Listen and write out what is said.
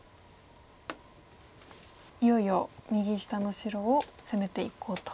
いよいよ右下の白を攻めていこうと。